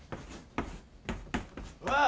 おい！